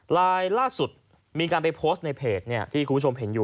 ล่าสุดมีการไปโพสต์ในเพจที่คุณผู้ชมเห็นอยู่